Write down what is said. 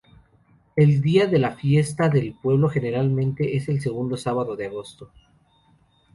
El día de la fiesta del pueblo generalmente es el segundo sábado de agosto.